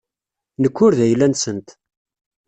Nekk ur d ayla-nsent.